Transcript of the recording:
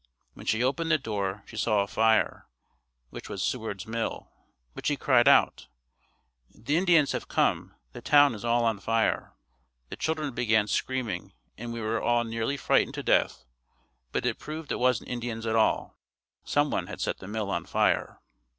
When she opened the door, she saw a fire, which was Seward's Mill, but she cried out, "The Indians have come, the town is all on fire." The children began screaming and we were all nearly frightened to death but it proved it wasn't Indians at all. Someone had set the mill on fire.